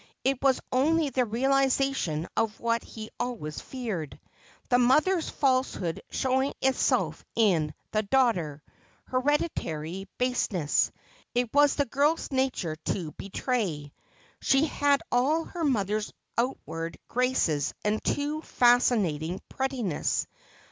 It was only the realisation of what he always feared — the mother's falsehood showing itself in the daughter — hereditary baseness. It was the girl's nature to be tray. She had all her mother's outward graces and too fascinat ing prettiness.